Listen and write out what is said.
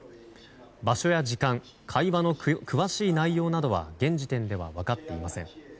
場所や時間会話の詳しい内容などは現時点では分かっていません。